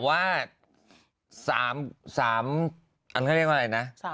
สามอะไร